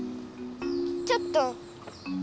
ちょっと。